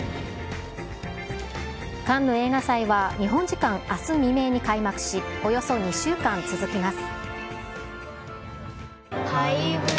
カンヌ映画祭は、日本時間あす未明に開幕し、およそ２週間、続きます。